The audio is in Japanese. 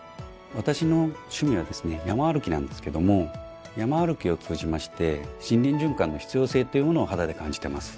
私の趣味はですね山歩きなんですけども山歩きを通じまして森林循環の必要性っていうものを肌で感じてます。